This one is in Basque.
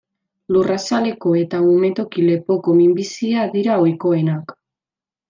Larruazaleko eta umetoki-lepoko minbizia dira ohikoenak.